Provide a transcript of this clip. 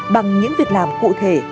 bằng những việc làm cụ thể